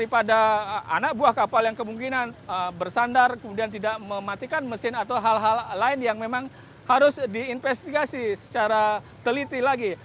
pada anak buah kapal yang kemungkinan bersandar kemudian tidak mematikan mesin atau hal hal lain yang memang harus diinvestigasi secara teliti lagi